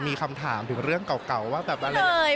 มีคำถามถึงเรื่องเก่าว่าแบบอะไร